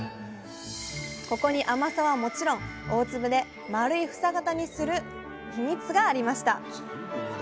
ここに甘さはもちろん大粒で丸い房型にするヒミツがありました。